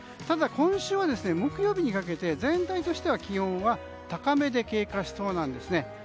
ただ、今週は木曜日にかけて全体としては気温は高めで経過しそうなんです。